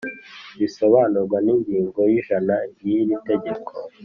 bisobanurwa n ingingo y’ijana y iri tegeko